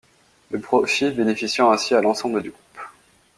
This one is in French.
Le profit bénéficiant ainsi à l'ensemble du groupe.